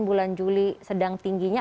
bulan juli sedang tingginya